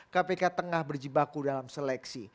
kpk tengah berjibaku dalam seleksi